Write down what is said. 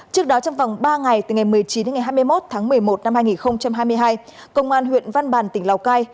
trước đó trong vòng ba ngày từ ngày một mươi chín hai mươi một một mươi một hai nghìn hai mươi hai công an huyện văn bàn tỉnh lào cai